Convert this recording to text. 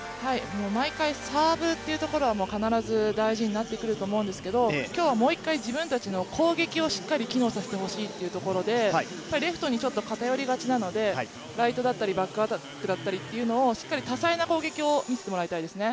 毎回サーブというところは必ず大事になってくると思うんですけれども、今日はもう一回、自分たちの攻撃をしっかり機能させてほしいというところでレフトにちょっと偏りがちなので、ライトだったりバックアタックだったり、多彩な攻撃を見せてもらいたいですね。